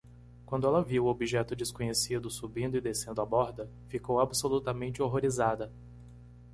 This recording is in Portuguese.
Quando ela viu o objeto desconhecido subindo e descendo a borda?, ficou absolutamente horrorizada.